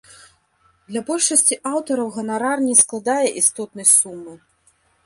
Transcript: Для большасці аўтараў ганарар не складае істотнай сумы.